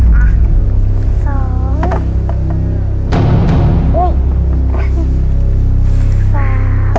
หนึ่งอ่ะสองนี่อุ๊ยสาม